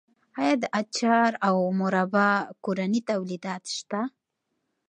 آیا د اچار او مربا کورني تولیدات شته؟